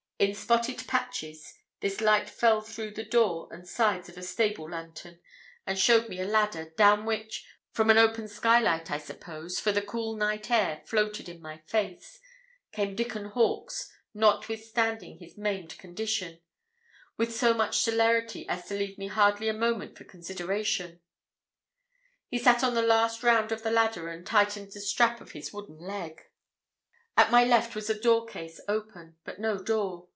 In spotted patches this light fell through the door and sides of a stable lantern, and showed me a ladder, down which, from an open skylight I suppose for the cool night air floated in my face, came Dickon Hawkes notwithstanding his maimed condition, with so much celerity as to leave me hardly a moment for consideration. He sat on the last round of the ladder, and tightened the strap of his wooden leg. At my left was a door case open, but no door.